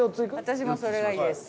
私もそれがいいです。